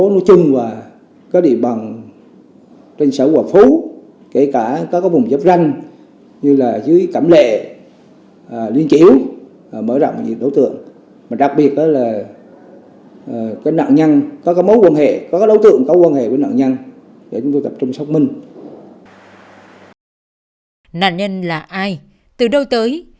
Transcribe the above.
nạn nhân là ai từ đâu tới